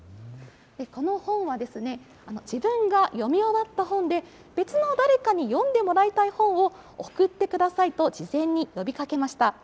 この本はですね、自分が読み終わった本で、別の誰かに読んでもらいたい本を送ってくださいと事前に呼びかけました。